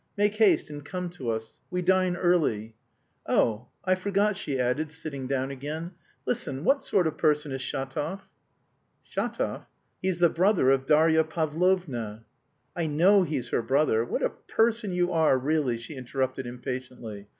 Make haste and come to us, we dine early.... Oh, I forgot," she added, sitting down again; "listen, what sort of person is Shatov?" "Shatov? He's the brother of Darya Pavlovna." "I know he's her brother! What a person you are, really," she interrupted impatiently.